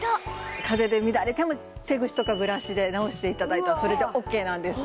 風で乱れても手ぐしとかブラシで直して頂いたらそれでオッケーなんですよ。